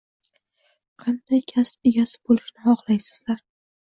Qanday kasb egasi bo‘lishni xohlaysizlar?